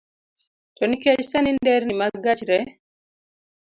To nikech sani nderni mag gach re